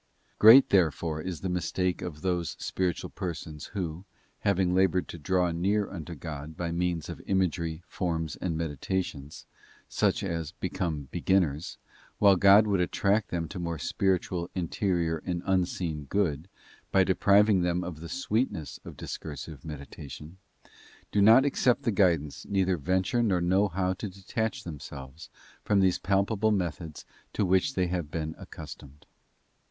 '* Great, therefore, is the mistake of those spiritual persons who, having laboured to draw near unto God by means of imagery, forms, and meditations, such as become beginners— while God would attract them to more spiritual, interior, and unseen good, by depriving them of the sweetness of discursive meditation—do not accept the guidance, neither venture nor know how to detach themselves from these palpable methods to which they have been accustomed.